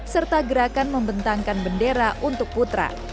serta gerakan membentangkan bendera untuk putra